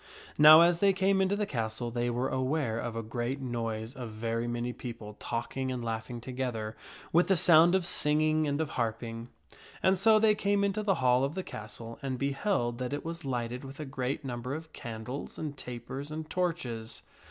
Now as they came into the castle, they were aware of a great noise of very many people talking and laughing together, with the sound of singing and of harping. And so they came into the hall of the castle and beheld that it was lighted with a great number of candles and tapers and torches.